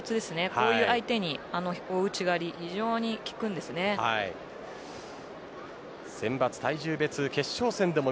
こういった相手に大内刈は非常に効くんです。